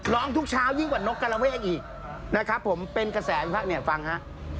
ร้องทุกเช้ายิ่งกว่านกกรเวกอีกนะครับผมเป็นกระแสอีกพักเนี่ยฟังฮะ